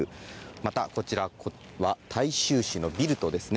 またこちらは、大衆紙のビルトですね。